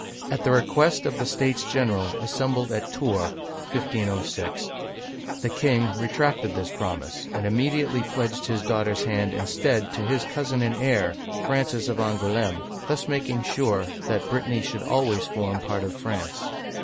At the request of the States General, assembled at Tours ( 1 506), the king retracted this promise, and immediately pledged his daughter's hand instead to his cousin and heir, Digitized by Google 222 OLD FRANCE Francis of Angouleme (aN goo lim'), thus making sure that Brittany should always form part of France.